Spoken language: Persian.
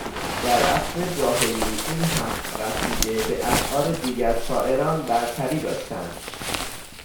در عصر جاهلی این هفت قصیده به اشعار دیگر شاعران برتری داشتند